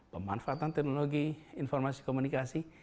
pemanfaatan teknologi informasi komunikasi